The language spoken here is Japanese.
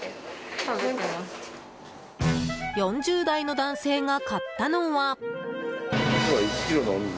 ４０代の男性が買ったのは。